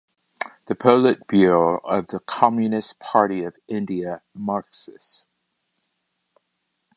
The Polit Bureau of the Communist Party of India Marxist.